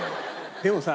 でもさ